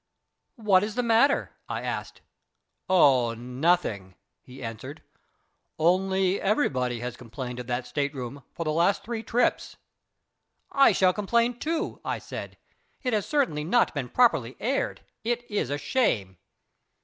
"What is the matter?" I asked. "Oh nothing," he answered; "only everybody has complained of that state room for the last three trips." "I shall complain, too," I said. "It has certainly not been properly aired. It is a shame!"